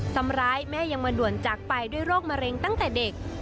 ทำร้ายแม่ยังมาด่วนจากไปด้วยโรคมะเร็งตั้งแต่เด็ก